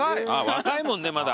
若いもんねまだ。